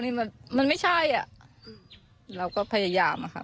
มันมันไม่ใช่อ่ะเราก็พยายามอะค่ะ